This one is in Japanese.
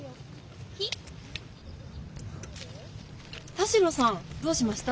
田代さんどうしました？